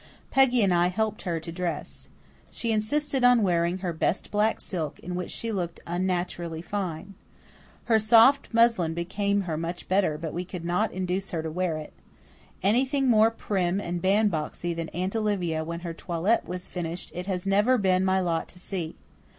Peggy and I helped her to dress. She insisted on wearing her best black silk, in which she looked unnaturally fine. Her soft muslin became her much better, but we could not induce her to wear it. Anything more prim and bandboxy than Aunt Olivia when her toilet was finished it has never been my lot to see.